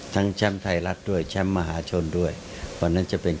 แชมป์ไทยรัฐด้วยแชมป์มหาชนด้วยวันนั้นจะเป็น